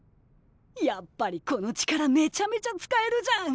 やっぱりこの力めちゃめちゃ使えるじゃん！